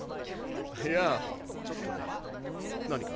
いやぁちょっとね。何か？